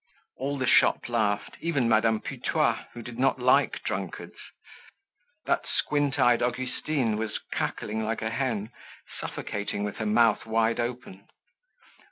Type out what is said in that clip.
All the shop laughed, even Madame Putois, who did not like drunkards. That squint eyed Augustine was cackling like a hen, suffocating with her mouth wide open.